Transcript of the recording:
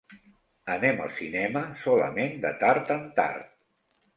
Anem al cinema solament de tard en tard.